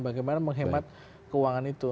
bagaimana menghemat keuangan itu